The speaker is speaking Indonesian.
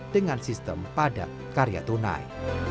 dengan sistem padat karya tunai